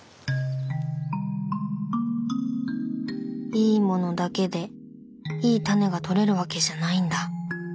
いいものだけでいいタネがとれるわけじゃないんだ。